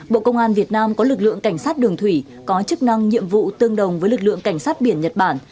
bộ công an việt nam có lực lượng cảnh sát đường thủy có chức năng nhiệm vụ tương đồng với lực lượng cảnh sát biển nhật bản